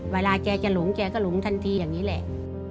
เวลาแกจะหลงแกก็หลงทันทีอย่างนี้แหละ